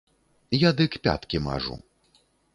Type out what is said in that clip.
Я дык пяткі мажу.